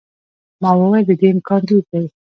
ما وویل، د دې امکان ډېر دی.